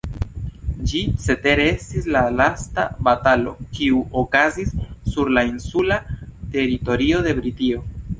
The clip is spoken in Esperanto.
Ĝi cetere estis la lasta batalo, kiu okazis sur la insula teritorio de Britio.